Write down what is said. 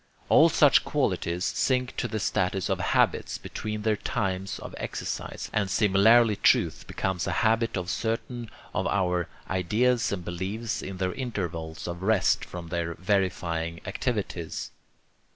All such qualities sink to the status of 'habits' between their times of exercise; and similarly truth becomes a habit of certain of our ideas and beliefs in their intervals of rest from their verifying activities.